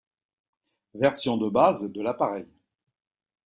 Version de base de l'appareil.